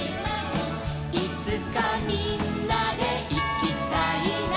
「いつかみんなでいきたいな」